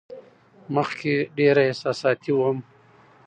مخکې ډېره احساساتي وم.